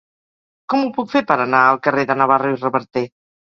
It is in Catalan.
Com ho puc fer per anar al carrer de Navarro i Reverter?